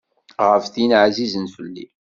Ɣef tin ɛzizen fell-i.